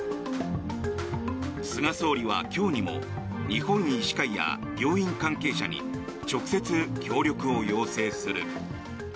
菅総理は今日にも日本医師会や病院関係者に直接、協力を要請する。